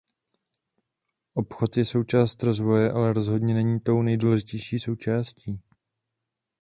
Obchod je součást rozvoje, ale rozhodně není tou nejdůležitější součástí.